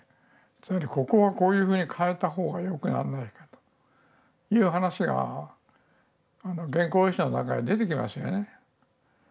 つまり「ここはこういうふうに変えた方がよくなんないか？」という話が原稿用紙の中から出てきますよね。